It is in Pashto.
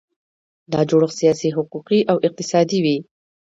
دا جوړښت سیاسي، حقوقي او اقتصادي وي.